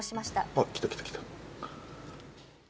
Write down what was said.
あっ、来た来た来た！